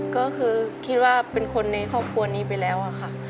ก็คือคิดว่าเป็นคนในครอบครัวนี้ไปแล้วค่ะ